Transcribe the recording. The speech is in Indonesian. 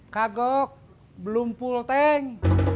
kagok belum pulteng